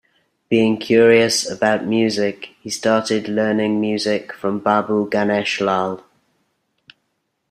Being curious about music he started learning music from Babu Ganesh Lal.